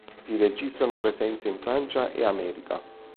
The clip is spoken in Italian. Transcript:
Si registrano presenze in Francia e America.